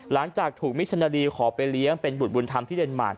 หลังจากถูกมิชนดีขอไปเลี้ยงเป็นบุตรบุญธรรมที่เดนมาร์